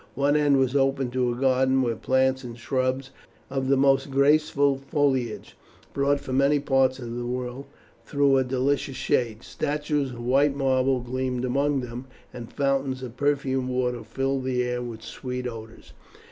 One end was open to a garden, where plants and shrubs of the most graceful foliage, brought from many parts of the world, threw a delicious shade. Statues of white marble gleamed among them, and fountains of perfumed waters filled the air with sweet odours.